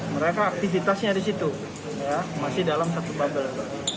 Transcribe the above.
mereka aktivitasnya di situ masih dalam satu bubble